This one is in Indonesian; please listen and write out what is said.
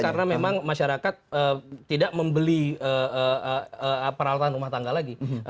karena memang masyarakat tidak membeli peralatan rumah tangga lagi